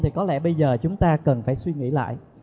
thì có lẽ bây giờ chúng ta cần phải suy nghĩ lại